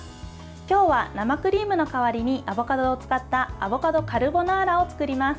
今日は生クリームの代わりにアボカドを使ったアボカドカルボナーラを作ります。